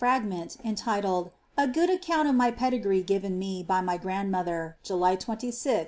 fragment^ cntithd, ^*.,i good account of my pedigree given me by my grandmother^ July 26/A, 1749."